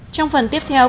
trong phần tiếp theo